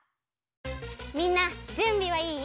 みんなじゅんびはいい？